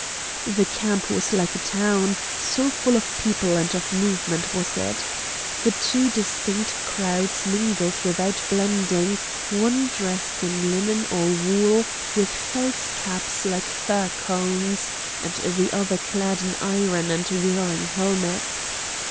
The camp was like a town, so full of people and of movement was it. The two distinct crowds mingled without blending, one dressed in linen or wool, with felt caps like fir cones, and the other clad in iron and wearing helmets.